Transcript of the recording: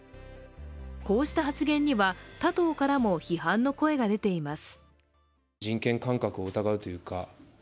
こうした発言には他党からも批判の声が出ています。